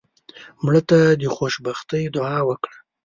مړه ته د خوشبختۍ دعا وکړه